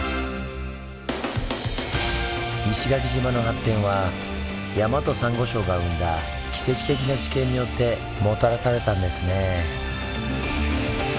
石垣島の発展は山とサンゴ礁が生んだ奇跡的な地形によってもたらされたんですねぇ。